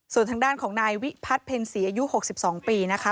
ส่วนทางด้านของนายวิภัทรเพ็ญศรีอายุหกสิบสองปีนะคะ